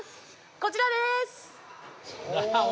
こちらです